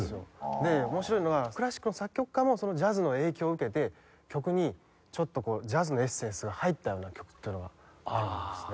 で面白いのがクラシックの作曲家もそのジャズの影響を受けて曲にちょっとこうジャズのエッセンスが入ったような曲っていうのがあるんですね。